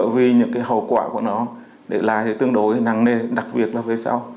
đi những hậu quả của nó để lại tương đối năng nề đặc biệt là về sao